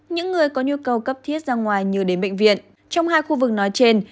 những người có nhu cầu cấp thiết ra ngoài như đến bệnh viện trong hai khu vực nói trên